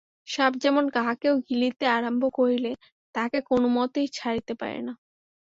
সাপ যেমন কাহাকেও গিলিতে আরম্ভ করিলে তাহাকে কোনোমতেই ছাড়িতে পারে না।